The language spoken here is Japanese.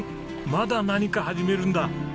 まだ何か始めるんだ！